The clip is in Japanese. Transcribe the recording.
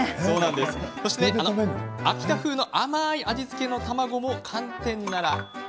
秋田風の甘い味付けの卵も寒天なら。